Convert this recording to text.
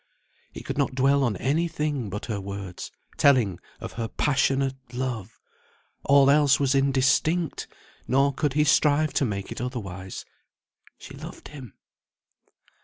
He could not dwell on any thing but her words, telling of her passionate love; all else was indistinct, nor could he strive to make it otherwise. She loved him.